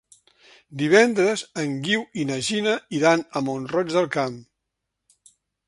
Divendres en Guiu i na Gina iran a Mont-roig del Camp.